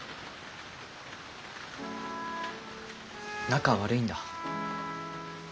仲悪いんだ。